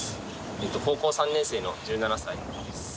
高校３年生の１７歳です。